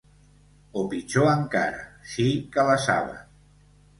O pitjor encara: sí que la saben.